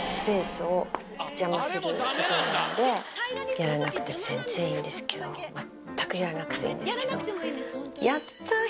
やらなくて全然いいんですけど全くやらなくていいんですけど。